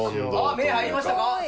目に入りましたよ。